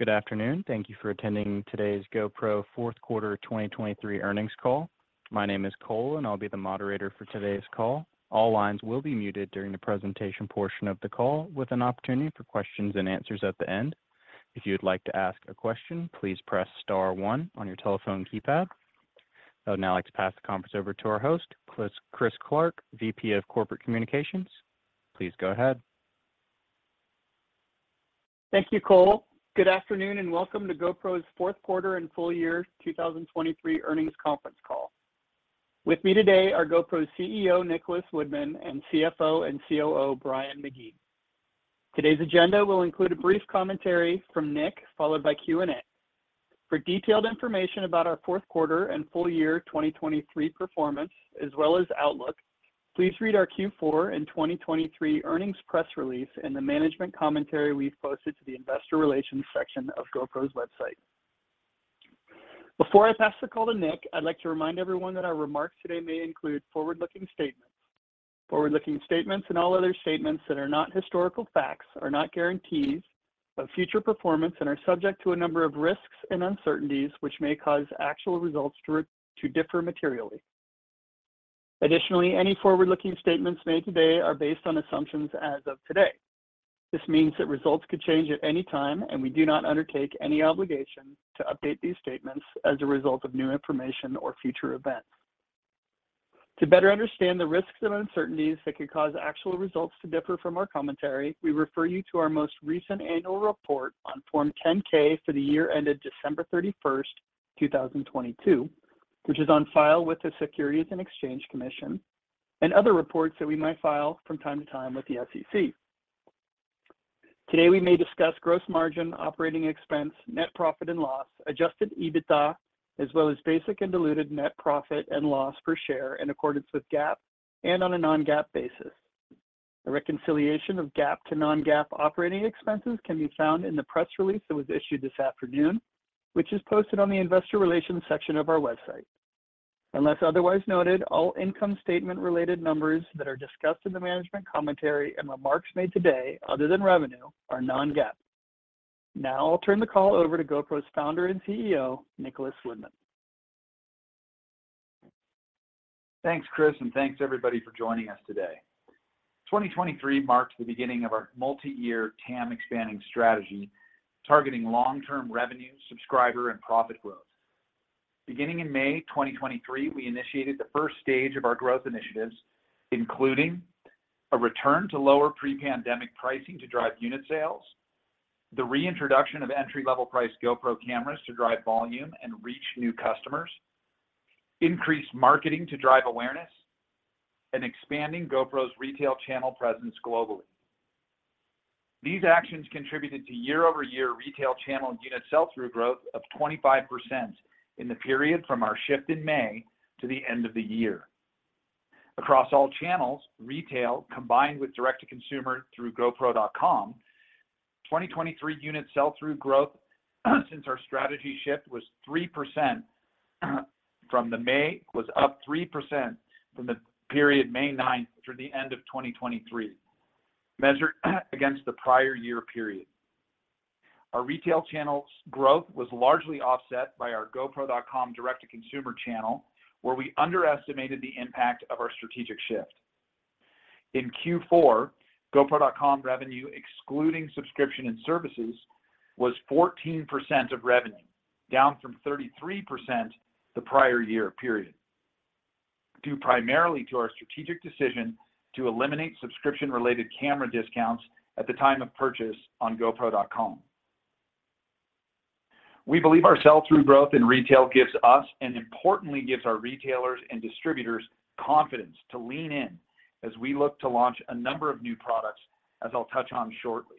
Good afternoon. Thank you for attending today's GoPro fourth quarter 2023 earnings call. My name is Cole, and I'll be the moderator for today's call. All lines will be muted during the presentation portion of the call, with an opportunity for questions and answers at the end. If you would like to ask a question, please press star one on your telephone keypad. I would now like to pass the conference over to our host, Chris, Chris Clark, VP of Corporate Communications. Please go ahead. Thank you, Cole. Good afternoon, and welcome to GoPro's fourth quarter and full year 2023 earnings conference call. With me today are GoPro's CEO, Nicholas Woodman, and CFO and COO, Brian McGee. Today's agenda will include a brief commentary from Nick, followed by Q&A. For detailed information about our fourth quarter and full year 2023 performance, as well as outlook, please read our Q4 and 2023 earnings press release and the management commentary we've posted to the investor relations section of GoPro's website. Before I pass the call to Nick, I'd like to remind everyone that our remarks today may include forward-looking statements. Forward-looking statements and all other statements that are not historical facts are not guarantees of future performance and are subject to a number of risks and uncertainties, which may cause actual results to differ materially. Additionally, any forward-looking statements made today are based on assumptions as of today. This means that results could change at any time, and we do not undertake any obligation to update these statements as a result of new information or future events. To better understand the risks and uncertainties that could cause actual results to differ from our commentary, we refer you to our most recent annual report on Form 10-K for the year ended December 31st, 2022, which is on file with the Securities and Exchange Commission, and other reports that we might file from time to time with the SEC. Today, we may discuss gross margin, operating expense, net profit and loss, Adjusted EBITDA, as well as basic and diluted net profit and loss per share in accordance with GAAP and on a non-GAAP basis. A reconciliation of GAAP to non-GAAP operating expenses can be found in the press release that was issued this afternoon, which is posted on the investor relations section of our website. Unless otherwise noted, all income statement related numbers that are discussed in the management commentary and remarks made today, other than revenue, are non-GAAP. Now, I'll turn the call over to GoPro's founder and CEO, Nicholas Woodman. Thanks, Chris, and thanks everybody for joining us today. 2023 marked the beginning of our multi-year TAM expanding strategy, targeting long-term revenue, subscriber, and profit growth. Beginning in May 2023, we initiated the first stage of our growth initiatives, including a return to lower pre-pandemic pricing to drive unit sales, the reintroduction of entry-level price GoPro cameras to drive volume and reach new customers, increased marketing to drive awareness, and expanding GoPro's retail channel presence globally. These actions contributed to year-over-year retail channel and unit sell-through growth of 25% in the period from our shift in May to the end of the year. Across all channels, retail, combined with direct-to-consumer through GoPro.com, 2023 unit sell-through growth, since our strategy shift, was 3%, up 3% from the period May 9th through the end of 2023, measured against the prior year period. Our retail channels growth was largely offset by our GoPro.com direct-to-consumer channel, where we underestimated the impact of our strategic shift. In Q4, GoPro.com revenue, excluding subscription and services, was 14% of revenue, down from 33% the prior year period, due primarily to our strategic decision to eliminate subscription-related camera discounts at the time of purchase on GoPro.com. We believe our sell-through growth in retail gives us, and importantly, gives our retailers and distributors confidence to lean in as we look to launch a number of new products, as I'll touch on shortly.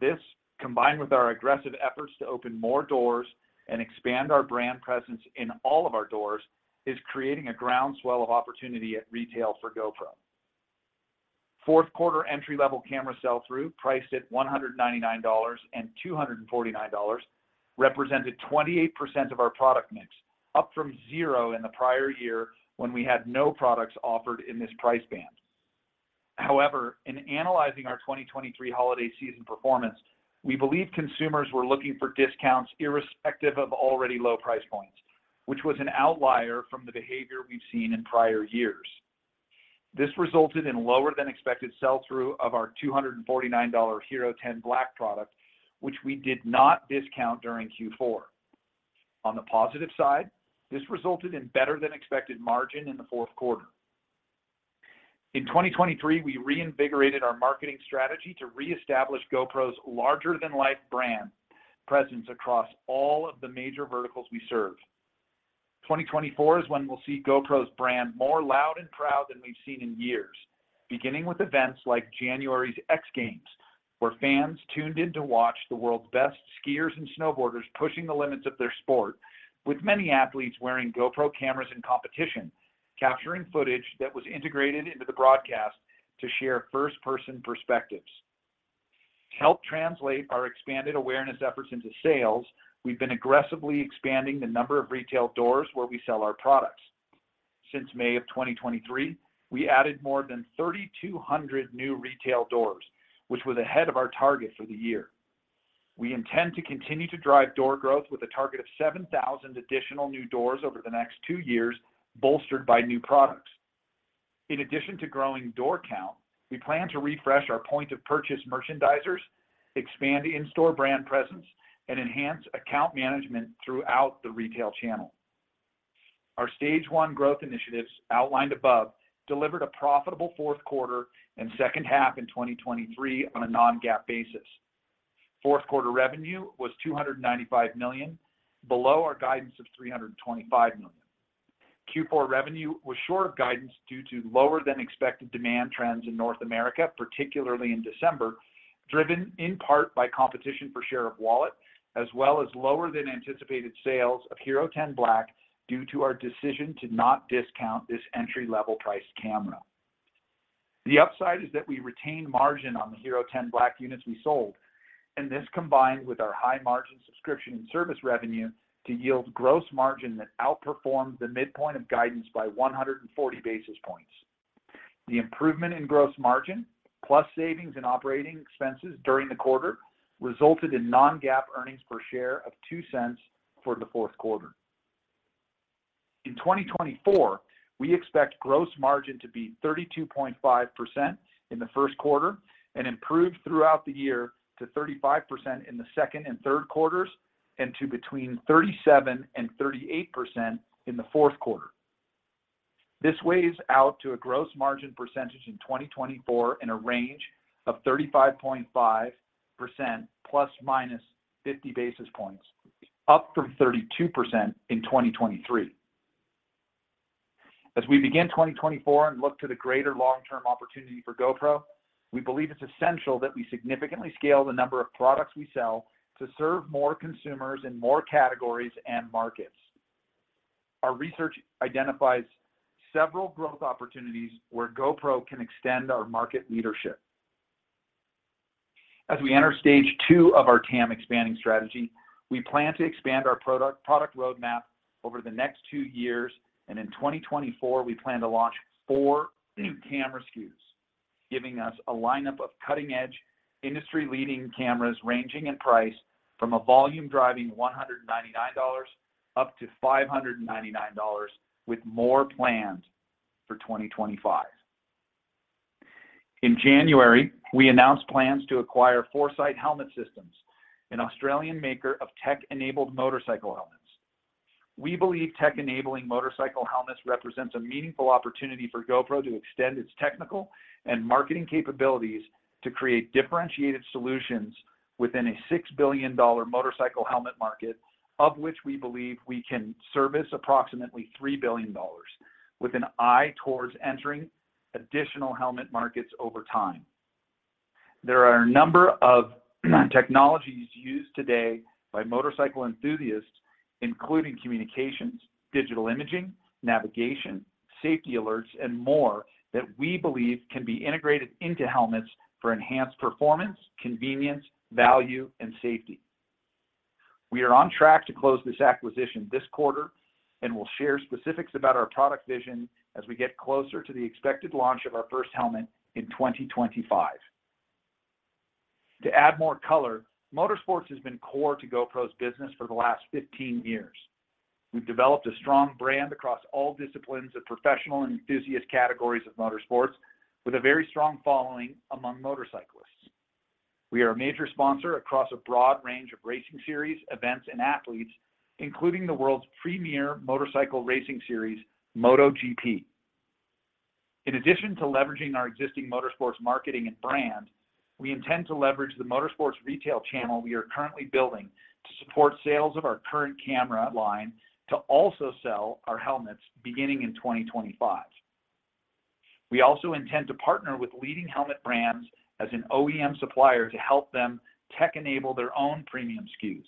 This, combined with our aggressive efforts to open more doors and expand our brand presence in all of our doors, is creating a groundswell of opportunity at retail for GoPro. Fourth quarter entry-level camera sell-through, priced at $199 and $249, represented 28% of our product mix, up from zero in the prior year when we had no products offered in this price band. However, in analyzing our 2023 holiday season performance, we believe consumers were looking for discounts irrespective of already low price points, which was an outlier from the behavior we've seen in prior years. This resulted in lower than expected sell-through of our $249 HERO10 Black product, which we did not discount during Q4. On the positive side, this resulted in better than expected margin in the fourth quarter. In 2023, we reinvigorated our marketing strategy to reestablish GoPro's larger-than-life brand presence across all of the major verticals we serve. 2024 is when we'll see GoPro's brand more loud and proud than we've seen in years, beginning with events like January's X Games, where fans tuned in to watch the world's best skiers and snowboarders pushing the limits of their sport, with many athletes wearing GoPro cameras in competition, capturing footage that was integrated into the broadcast to share first-person perspectives. To help translate our expanded awareness efforts into sales, we've been aggressively expanding the number of retail doors where we sell our products. Since May of 2023, we added more than 3,200 new retail doors, which was ahead of our target for the year. We intend to continue to drive door growth with a target of 7,000 additional new doors over the next two years, bolstered by new products. In addition to growing door count, we plan to refresh our point of purchase merchandisers, expand the in-store brand presence, and enhance account management throughout the retail channel. Our stage one growth initiatives outlined above, delivered a profitable fourth quarter and second half in 2023 on a non-GAAP basis. Fourth quarter revenue was $295 million, below our guidance of $325 million. Q4 revenue was short of guidance due to lower than expected demand trends in North America, particularly in December, driven in part by competition for share of wallet, as well as lower than anticipated sales of HERO10 Black, due to our decision to not discount this entry-level price camera. The upside is that we retained margin on the HERO10 Black units we sold, and this combined with our high-margin subscription and service revenue, to yield gross margin that outperformed the midpoint of guidance by 140 basis points. The improvement in gross margin, plus savings and operating expenses during the quarter, resulted in non-GAAP earnings per share of $0.02 for the fourth quarter. In 2024, we expect gross margin to be 32.5% in the first quarter and improve throughout the year to 35% in the second and third quarters, and to between 37% and 38% in the fourth quarter. This weighs out to a gross margin percentage in 2024 in a range of 35.5%, ±50 basis points, up from 32% in 2023. As we begin 2024 and look to the greater long-term opportunity for GoPro, we believe it's essential that we significantly scale the number of products we sell to serve more consumers in more categories and markets. Our research identifies several growth opportunities where GoPro can extend our market leadership. As we enter stage two of our TAM expanding strategy, we plan to expand our product roadmap over the next two years, and in 2024, we plan to launch four new camera SKUs, giving us a lineup of cutting-edge, industry-leading cameras, ranging in price from a volume-driving $199 up to $599, with more planned for 2025. In January, we announced plans to acquire Forcite Helmet Systems, an Australian maker of tech-enabled motorcycle helmets. We believe tech-enabling motorcycle helmets represents a meaningful opportunity for GoPro to extend its technical and marketing capabilities to create differentiated solutions within a $6 billion motorcycle helmet market, of which we believe we can service approximately $3 billion, with an eye towards entering additional helmet markets over time. There are a number of technologies used today by motorcycle enthusiasts, including communications, digital imaging, navigation, safety alerts, and more, that we believe can be integrated into helmets for enhanced performance, convenience, value, and safety. We are on track to close this acquisition this quarter, and we'll share specifics about our product vision as we get closer to the expected launch of our first helmet in 2025. To add more color, motorsports has been core to GoPro's business for the last 15 years. We've developed a strong brand across all disciplines of professional and enthusiast categories of motorsports, with a very strong following among motorcyclists. We are a major sponsor across a broad range of racing series, events, and athletes, including the world's premier motorcycle racing series, MotoGP. In addition to leveraging our existing motorsports marketing and brand, we intend to leverage the motorsports retail channel we are currently building to support sales of our current camera line, to also sell our helmets beginning in 2025. We also intend to partner with leading helmet brands as an OEM supplier to help them tech-enable their own premium SKUs.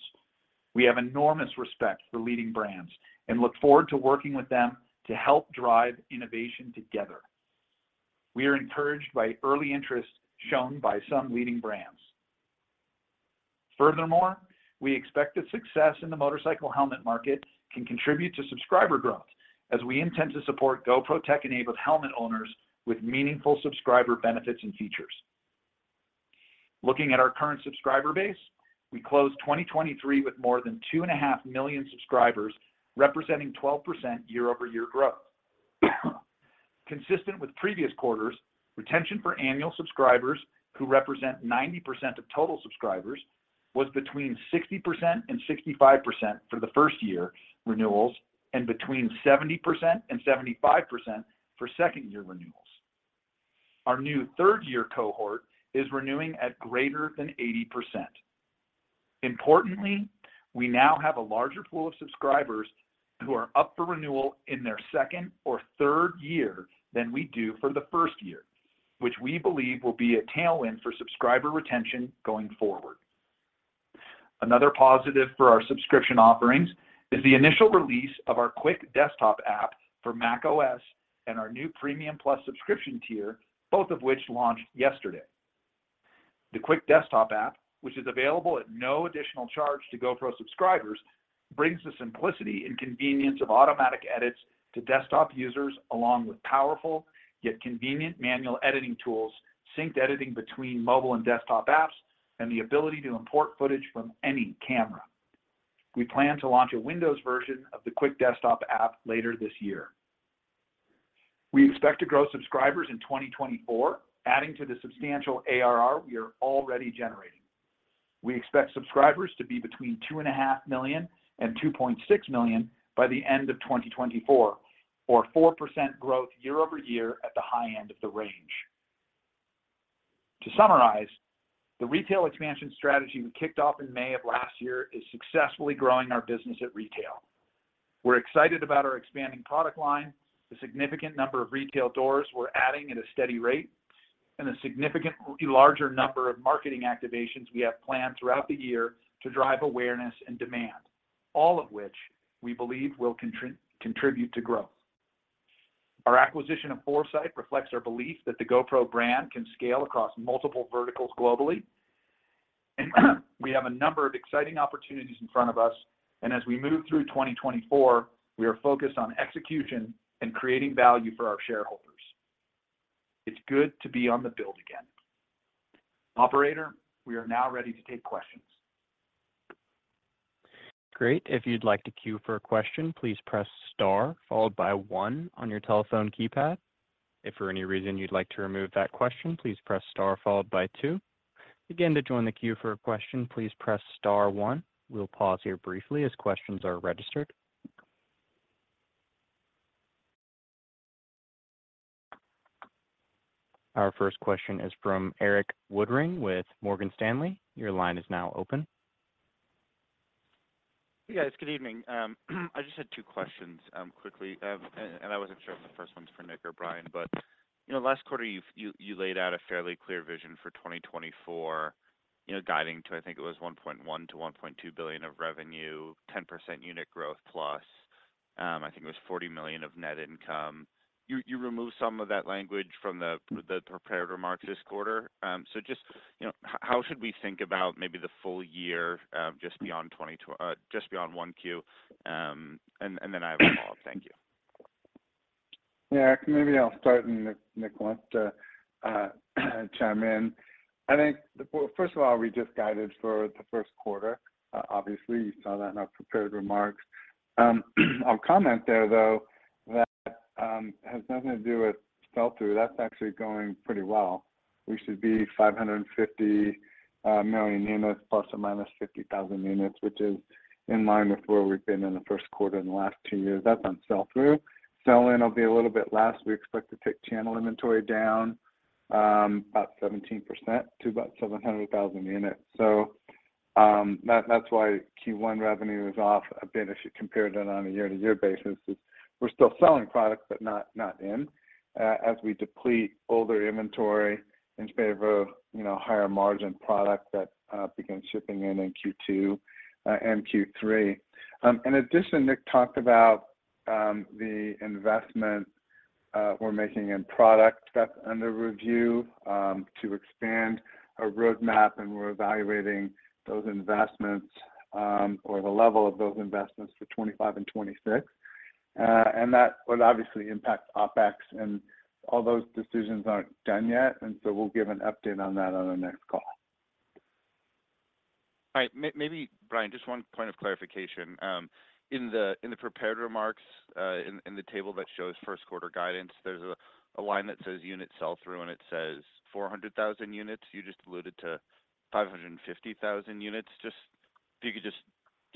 We have enormous respect for leading brands and look forward to working with them to help drive innovation together. We are encouraged by early interest shown by some leading brands. Furthermore, we expect the success in the motorcycle helmet market can contribute to subscriber growth as we intend to support GoPro tech-enabled helmet owners with meaningful subscriber benefits and features. Looking at our current subscriber base, we closed 2023 with more than 2.5 million subscribers, representing 12% year-over-year growth. Consistent with previous quarters, retention for annual subscribers, who represent 90% of total subscribers, was between 60% and 65% for the first-year renewals, and between 70% and 75% for second-year renewals. Our new third-year cohort is renewing at greater than 80%. Importantly, we now have a larger pool of subscribers who are up for renewal in their second or third year than we do for the first year, which we believe will be a tailwind for subscriber retention going forward. Another positive for our subscription offerings is the initial release of our Quik desktop app for macOS and our new Premium Plus subscription tier, both of which launched yesterday. The Quik desktop app, which is available at no additional charge to GoPro subscribers, brings the simplicity and convenience of automatic edits to desktop users, along with powerful, yet convenient manual editing tools, synced editing between mobile and desktop apps, and the ability to import footage from any camera. We plan to launch a Windows version of the Quik desktop app later this year. We expect to grow subscribers in 2024, adding to the substantial ARR we are already generating. We expect subscribers to be between 2.5 million and 2.6 million by the end of 2024, or 4% growth year-over-year at the high end of the range. To summarize, the retail expansion strategy we kicked off in May of last year is successfully growing our business at retail. We're excited about our expanding product line, the significant number of retail doors we're adding at a steady rate, and a significantly larger number of marketing activations we have planned throughout the year to drive awareness and demand, all of which we believe will contribute to growth. Our acquisition of Forcite reflects our belief that the GoPro brand can scale across multiple verticals globally. We have a number of exciting opportunities in front of us, and as we move through 2024, we are focused on execution and creating value for our shareholders. It's good to be on the build again. Operator, we are now ready to take questions. Great. If you'd like to queue for a question, please press star followed by one on your telephone keypad. If for any reason you'd like to remove that question, please press star followed by two. Again, to join the queue for a question, please press star one. We'll pause here briefly as questions are registered. Our first question is from Erik Woodring with Morgan Stanley. Your line is now open. Hey, guys. Good evening. I just had two questions, quickly, and I wasn't sure if the first one's for Nick or Brian. But, you know, last quarter, you laid out a fairly clear vision for 2024, you know, guiding to, I think it was $1.1 billion-$1.2 billion of revenue, 10% unit growth plus, I think it was $40 million of net income. You removed some of that language from the prepared remarks this quarter. So just, you know, how should we think about maybe the full year, just beyond 1Q? And then I have a follow-up. Thank you. Yeah, maybe I'll start, and Nick wants to chime in. I think, well, first of all, we just guided for the first quarter. Obviously, you saw that in our prepared remarks. I'll comment there, though, that has nothing to do with sell-through. That's actually going pretty well. We should be 550 million units ±50,000 units, which is in line with where we've been in the first quarter in the last two years. That's on sell-through. Sell-in will be a little bit less. We expect to take channel inventory down about 17% to about 700,000 units. So, that, that's why Q1 revenue is off a bit if you compared it on a year-to-year basis, is we're still selling products, but not, not in, as we deplete older inventory in favor of, you know, higher-margin products that begin shipping in, in Q2, and Q3. In addition, Nick talked about the investment we're making in product that's under review to expand our roadmap, and we're evaluating those investments, or the level of those investments for 2025 and 2026. And that will obviously impact OpEx, and all those decisions aren't done yet, and so we'll give an update on that on the next call. All right. Maybe, Brian, just one point of clarification. In the prepared remarks, in the table that shows first quarter guidance, there's a line that says unit sell-through, and it says 400,000 units. You just alluded to 550,000 units. Just... If you could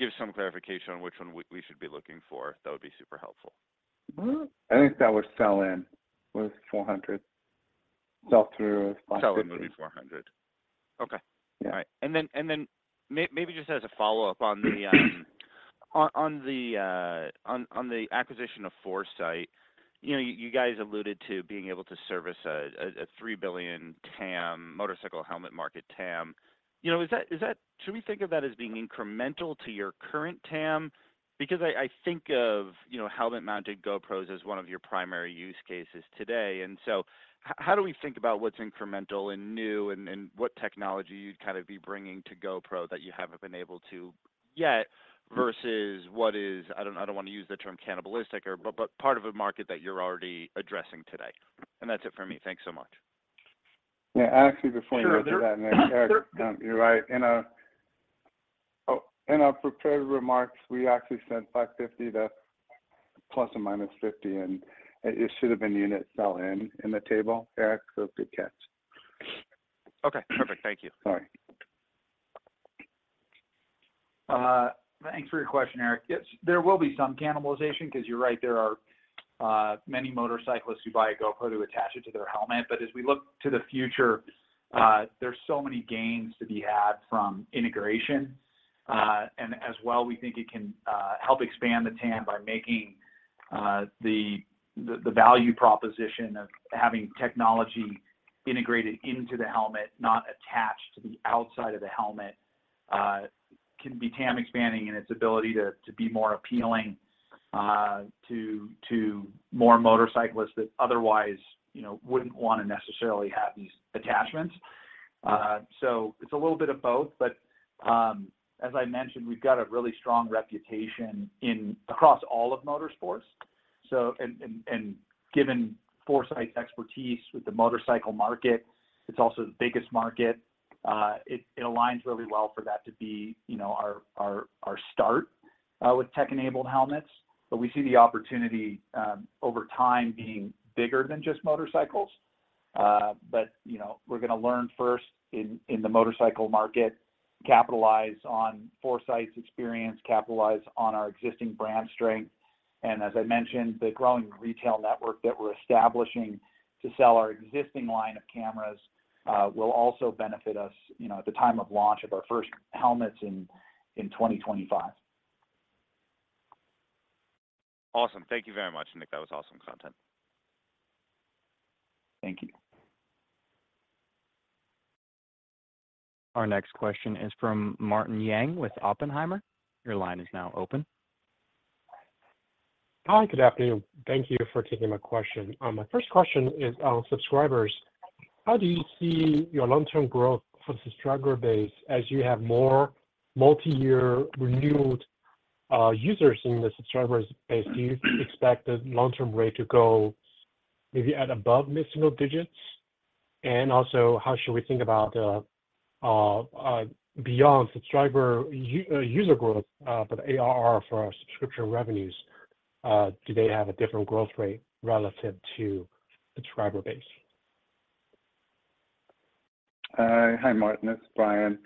just give some clarification on which one we should be looking for, that would be super helpful. I think that was sell-in, was 400,000 units. Sell-through is 550,000 units. Sell-in would be 400,000 units. Okay. Yeah. All right. And then maybe just as a follow-up on the acquisition of Forcite, you know, you guys alluded to being able to service a $3 billion TAM motorcycle helmet market TAM. You know, is that, should we think of that as being incremental to your current TAM? Because I think of, you know, helmet-mounted GoPros as one of your primary use cases today. And so how do we think about what's incremental and new and what technology you'd kind of be bringing to GoPro that you haven't been able to yet, versus what is, I don't want to use the term cannibalistic or... but part of a market that you're already addressing today? And that's it for me. Thanks so much. Yeah, actually, before you go to that- Sure. Nick, Erik, you're right. In our prepared remarks, we actually said 550,000 units, the ±50, and it should have been units sell-in in the table, Erik, so good catch. Okay, perfect. Thank you. Sorry. Thanks for your question, Erik. Yes, there will be some cannibalization because you're right, there are many motorcyclists who buy a GoPro to attach it to their helmet. But as we look to the future, there's so many gains to be had from integration. And as well, we think it can help expand the TAM by making the value proposition of having technology integrated into the helmet, not attached to the outside of the helmet, can be TAM expanding in its ability to be more appealing to more motorcyclists that otherwise, you know, wouldn't want to necessarily have these attachments. So it's a little bit of both, but as I mentioned, we've got a really strong reputation across all of motorsports. So, given Forcite's expertise with the motorcycle market, it's also the biggest market. It aligns really well for that to be, you know, our start with tech-enabled helmets. But we see the opportunity over time being bigger than just motorcycles. But, you know, we're gonna learn first in the motorcycle market, capitalize on Forcite's experience, capitalize on our existing brand strength, and as I mentioned, the growing retail network that we're establishing to sell our existing line of cameras will also benefit us, you know, at the time of launch of our first helmets in 2025. Awesome. Thank you very much, Nick. That was awesome content. Thank you. Our next question is from Martin Yang with Oppenheimer. Your line is now open. Hi, good afternoon. Thank you for taking my question. My first question is on subscribers. How do you see your long-term growth for the subscriber base as you have more multiyear renewed users in the subscribers base? Do you expect the long-term rate to go maybe at above mid-single digits? And also, how should we think about beyond subscriber user growth, but ARR for our subscription revenues, do they have a different growth rate relative to subscriber base? Hi, Martin, it's Brian.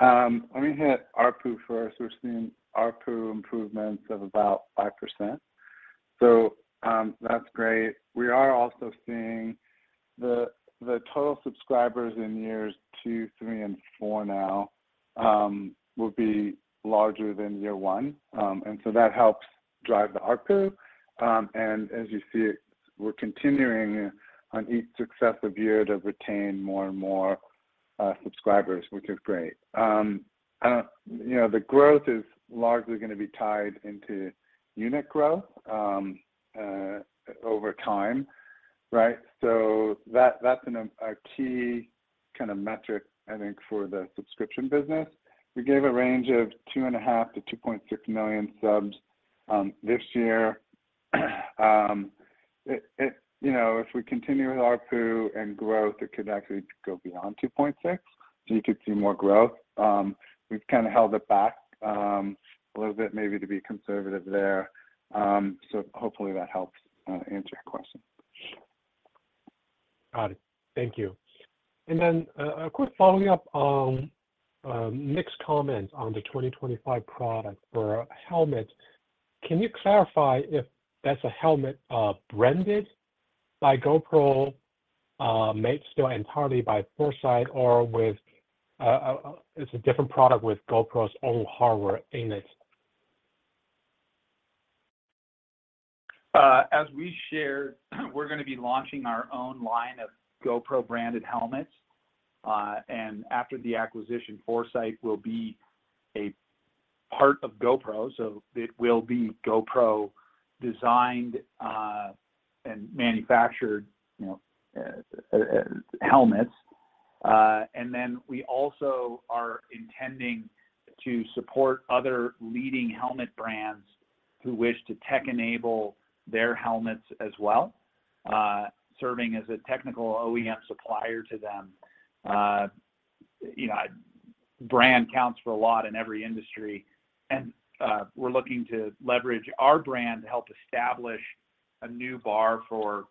Let me hit ARPU first. We're seeing ARPU improvements of about 5%, so that's great. We are also seeing the total subscribers in years two, three, and four now will be larger than year one. And so that helps drive the ARPU. And as you see, we're continuing on each successive year to retain more and more subscribers, which is great. You know, the growth is largely gonna be tied into unit growth over time, right? So that's a key kind of metric, I think, for the subscription business. We gave a range of 2.5 million-2.6 million subs this year. It...You know, if we continue with ARPU and growth, it could actually go beyond 2.6 million subs, so you could see more growth. We've kind of held it back, a little bit, maybe to be conservative there. So hopefully that helps answer your question. Got it. Thank you. And then, a quick following up on Nick's comment on the 2025 product for helmets. Can you clarify if that's a helmet branded by GoPro, made still entirely by Forcite, or with, it's a different product with GoPro's own hardware in it? As we shared, we're gonna be launching our own line of GoPro-branded helmets. After the acquisition, Forcite will be a part of GoPro, so it will be GoPro-designed and manufactured, you know, helmets. Then we also are intending to support other leading helmet brands who wish to tech-enable their helmets as well, serving as a technical OEM supplier to them. You know, brand counts for a lot in every industry, and we're looking to leverage our brand to help establish a new bar for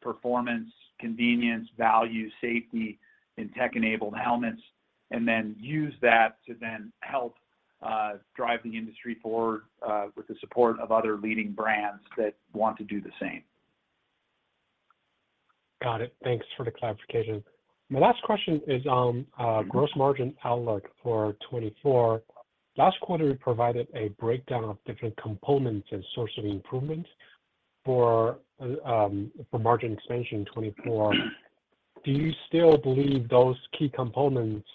performance, convenience, value, safety in tech-enabled helmets, and then use that to then help drive the industry forward with the support of other leading brands that want to do the same. Got it. Thanks for the clarification. My last question is on gross margin outlook for 2024. Last quarter, you provided a breakdown of different components and source of improvement for margin expansion in 2024. Do you still believe those key components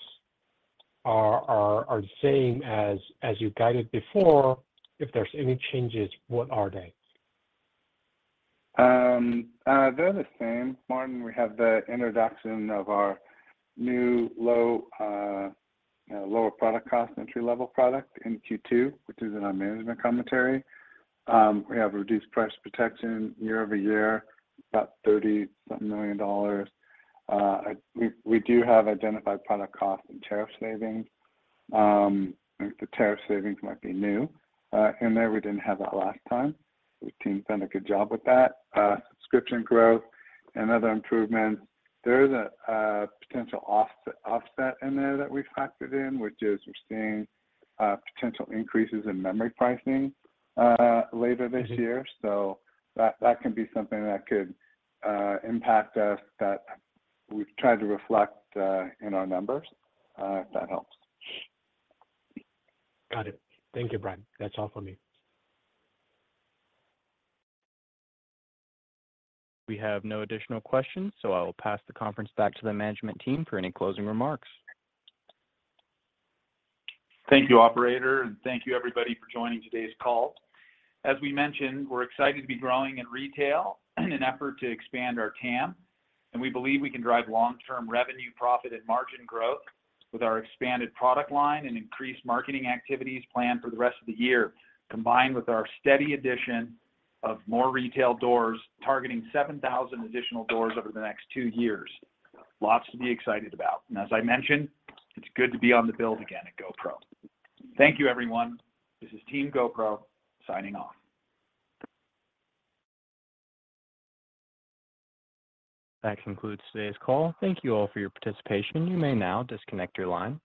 are the same as you guided before? If there's any changes, what are they? They're the same, Martin. We have the introduction of our new low, lower product cost, entry-level product in Q2, which is in our management commentary. We have reduced price protection year-over-year, about $30-some million. We do have identified product cost and tariff savings. I think the tariff savings might be new in there. We didn't have that last time. The team's done a good job with that. Subscription growth and other improvements, there is a potential off-offset in there that we factored in, which is we're seeing potential increases in memory pricing later this year. So that can be something that could impact us, that we've tried to reflect in our numbers, if that helps. Got it. Thank you, Brian. That's all for me. We have no additional questions, so I will pass the conference back to the management team for any closing remarks. Thank you, operator, and thank you everybody for joining today's call. As we mentioned, we're excited to be growing in retail in an effort to expand our TAM, and we believe we can drive long-term revenue, profit, and margin growth with our expanded product line and increased marketing activities planned for the rest of the year, combined with our steady addition of more retail doors, targeting 7,000 additional doors over the next two years. Lots to be excited about, and as I mentioned, it's good to be on the build again at GoPro. Thank you, everyone. This is Team GoPro signing off. That concludes today's call. Thank you all for your participation. You may now disconnect your lines.